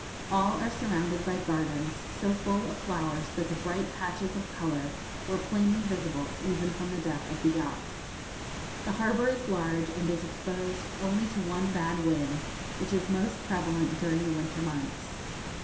All are surrounded by gardens, so full of flowers that the bright patches of colour were plainly visible even from the deck of the yacht. The harbour is large, and is exposed only to one bad wind, which is most prevalent during the winter months.